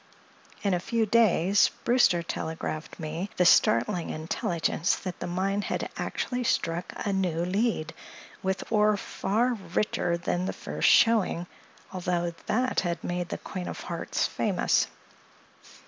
In a few days Brewster telegraphed me the startling intelligence that the mine had actually struck a new lead, with ore far richer than the first showing, although that had made the Queen of Hearts famous.